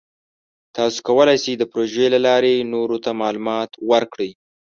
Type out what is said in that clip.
تاسو کولی شئ د پروژې له لارې نورو ته معلومات ورکړئ.